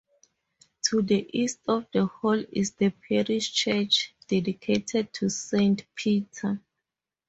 To the east of the Hall is the parish church, dedicated to Saint Peter.